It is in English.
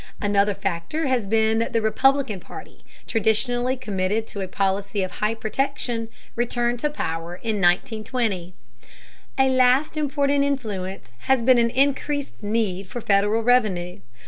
Another factor has been that the Republican party, traditionally committed to a policy of high protection, returned to power in 1920. A last important influence has been an increased need for Federal revenue.